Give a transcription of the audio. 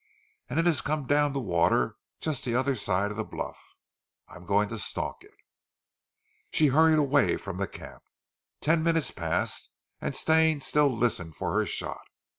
It has come down to the water just the other side of the bluff. I am going to stalk it." She hurried away from the camp. Ten minutes passed and Stane still listened for her shot.